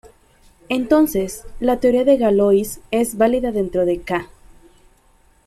Entonces la teoría de Galois es válida dentro de "K".